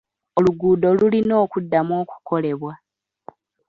Oluguudo lulina okuddamu okukolebwa.